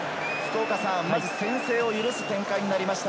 まず先制を許す展開になりました、